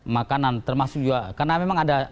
makanan termasuk juga karena memang ada